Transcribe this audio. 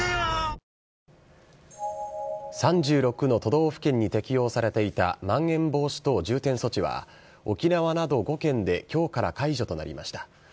３６の都道府県に適用されていたまん延防止等重点措置は、沖縄など５県できょうから解除となりました。